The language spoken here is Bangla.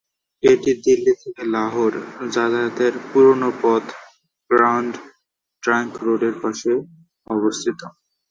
এটি দিল্লি থেকে লাহোর যাতায়াতের পুরনো পথ গ্র্যান্ড ট্রাঙ্ক রোডের পাশে অবস্থিত।